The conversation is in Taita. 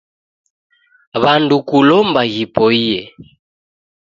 W'andu kulomba ghipoie